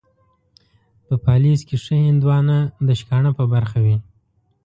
په پاليزه کې ښه هندوانه ، د شکاڼه په برخه وي.